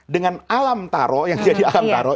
dengan alam taro yang jadi alam taro